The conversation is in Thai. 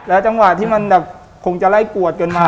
จังหวะที่มันแบบคงจะไล่กวดกันมา